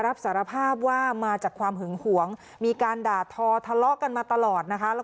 รับสารภาพว่ามาจากความหึงหวงมีการด่าทอทะเลาะกันมาตลอดนะคะ